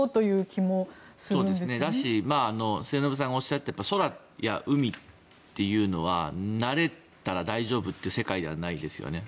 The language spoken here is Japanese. それもそうだし末延さんがおっしゃった空や海というのは慣れたら大丈夫って世界ではないですよね。